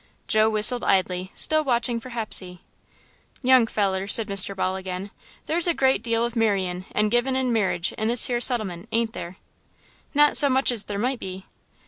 Joe whistled idly, still watching for Hepsey. "Young feller," said Mr. Ball, again, "there's a great deal of merryin' and givin' in merriage in this here settlement, ain't there?" "Not so much as there might be."